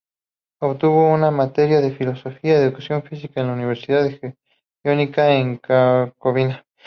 Obtuvo una maestría en Filosofía y Educación Física de la Universidad Jagellónica, de Cracovia.